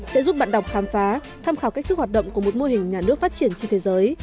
sẽ giúp bạn đọc khám phá tham khảo cách thức hoạt động của một mô hình nhà nước phát triển trên thế giới